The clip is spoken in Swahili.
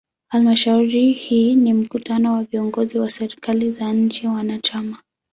Halmashauri hii ni mkutano wa viongozi wa serikali za nchi wanachama.